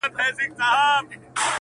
راته شعرونه ښكاري~